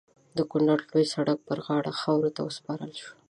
د کونړ د لوی سړک پر غاړه خاورو ته وسپارل شو.